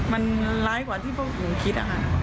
มันร้ายกว่าที่พวกหนูคิด